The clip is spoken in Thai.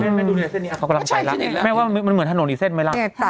แม่ดูในเส้นนี้เขากำลังไปแล้วแม่ว่ามันเหมือนถนนอีกเส้นไหมล่ะ